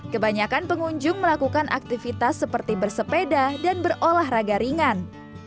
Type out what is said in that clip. kebanyakan pengunjung melakukan aktivitas seperti bersepeda dan berolahraga ringan